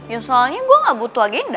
ya soalnya gue gak butuh agenda